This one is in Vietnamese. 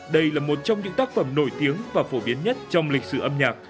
đây là một trong những tác phẩm nổi tiếng và phổ biến nhất trong lịch sử âm nhạc